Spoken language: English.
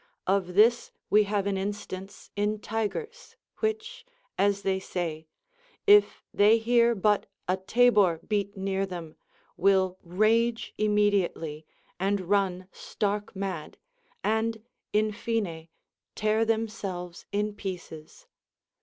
Of this we have an instance in tigers, which (as they say), if they hear but a tabor beat near them, Avill rage immediately and run stark mad, and in fine tear themselves in pieces.